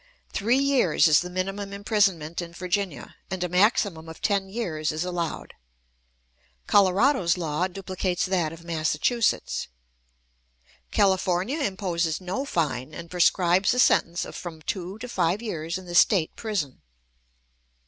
Three years is the minimum imprisonment in Virginia, and a maximum of ten years is allowed. Colorado's law duplicates that of Massachusetts. California imposes no fine, and prescribes a sentence of from two to five years in the State prison.